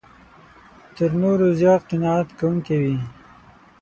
تر نورو زیات قناعت کوونکی وي.